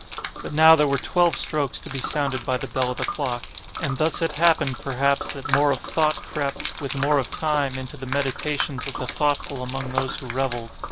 But now there were twelve strokes to be sounded by the bell of the clock; and thus it happened, perhaps, that more of thought crept, with more of time, into the meditations of the thoughtful among those who revelled.